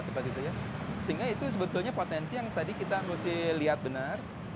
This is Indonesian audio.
sehingga itu sebetulnya potensi yang tadi kita mesti lihat benar